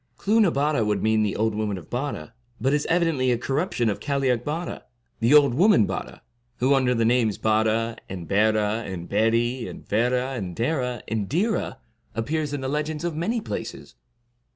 Clooth na Bare would mean the old woman of Bare, but is evidently a corruption of Cailleac Bare, the old woman Bare, who, under the names Bare, and Berah, and Beri, and Verah, and Dera, and Dhira, appears in the legends of many places.